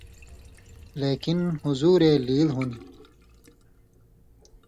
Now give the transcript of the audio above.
لېکن حضورؐ اے لیل ہُوۡن٘دیۡ،